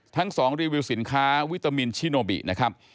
ทั้ง๒รีวิวสินค้าวิตามินชิโนบินะครับ